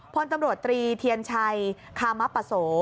พลตำรวจตรีเทียนชัยคามปะโส